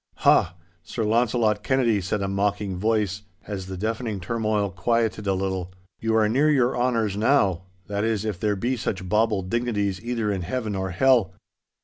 'Ha, Sir Launcelot Kennedy,' said a mocking voice, as the deafening turmoil quieted a little, 'you are near your honours now—that is, if there be such bauble dignities either in heaven or hell.